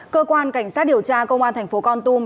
cơ quan cảnh sát điều tra công an tp con tum